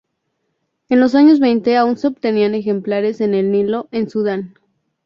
En los años veinte aún se obtenían ejemplares en el Nilo en Sudán.